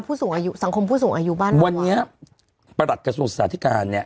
ผู้สูงอายุสังคมผู้สูงอายุบ้านวันนี้ประหลัดกระทรวงสาธิการเนี้ย